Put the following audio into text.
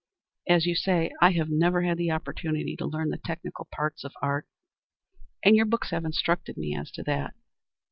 As you say, I have never had the opportunity to learn the technical parts of art, and your books have instructed me as to that.